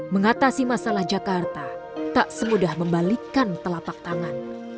mengatasi masalah jakarta tak semudah membalikkan telapak tangan